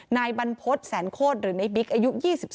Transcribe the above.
นายบรรพฤษแสนโคตรหรือในบิ๊กอายุ๒๒